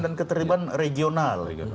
dan keteriban regional